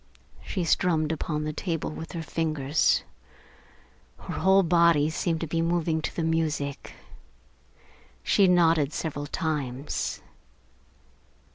She strummed upon the table with her fingers. Her whole body seemed to be moving to the music. She nodded several times.